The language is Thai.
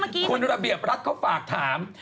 คุณระเบียบรัฐเขาฝากถาม